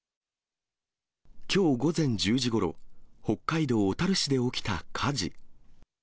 きょう午前１０時ごろ、北海道小樽市で起きた火事。